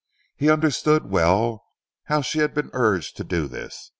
He understood well how she had been urged to this.